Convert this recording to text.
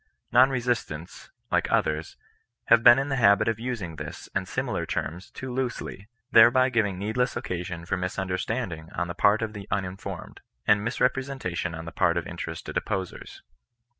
Non re sistants, like others, have been in the habit of using this, and similar terms too loosely ; thereby giving needless occasion for misunderstanding on the part of the unin formed, and misrepresentation on the part of interested opposers.